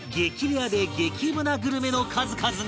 レアで激うまなグルメの数々が！